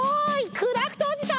クラフトおじさん！